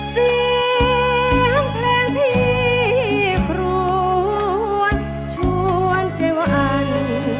เสียงเพลงพี่พรวนชวนเจวัน